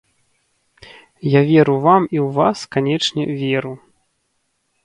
Я веру вам і ў вас, канечне, веру!